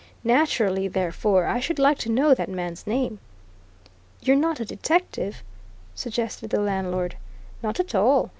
Naturally, therefore, I should like to know that man's name." "You're not a detective?" suggested the landlord. "Not at all!"